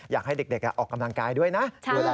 อยากให้เด็กออกกำลังกายด้วยนะ